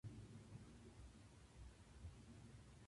早く文章作ってください